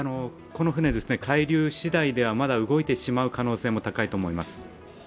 この船、海流しだいでは、まだ動いてしまう可能性も高いと思います。